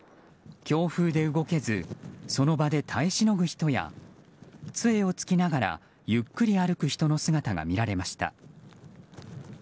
強風で動けずその場で堪えしのぐ人や杖を突きながらゆっくり歩く人の姿が見られました。